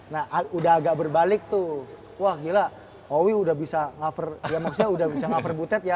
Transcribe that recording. nah aku udah agak berbalik tuh wah gila oh udah bisa ngaper ya maksudnya udah bisa ngaper butet ya